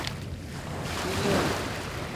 Kenya